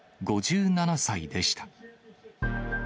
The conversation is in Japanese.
５７歳でした。